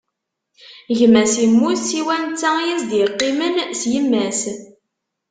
Gma-s immut, siwa netta i s-d-iqqimen s yemma-s.